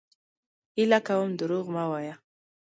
هيله کوم دروغ مه وايه!